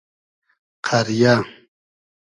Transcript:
قئریۂ